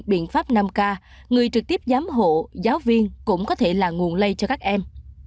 biện pháp năm k người trực tiếp giám hộ giáo viên cũng có thể là nguồn lây cho các em